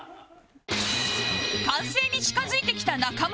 完成に近付いてきた中村